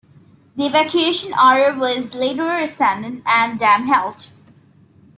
The evacuation order was later rescinded and the dam held.